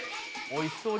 おいしそう。